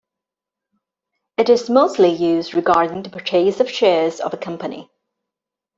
It is mostly used regarding the purchase of shares of a company.